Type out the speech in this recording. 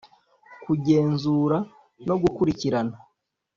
kugenzura no gukurikirana